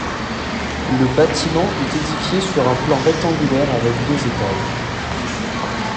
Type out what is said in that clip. Le bâtiment est édifié sur un plan rectangulaire avec deux étages.